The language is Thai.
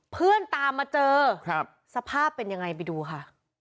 เพื่อนตามมาเจอสภาพเป็นยังไงกี่ดูค่ะ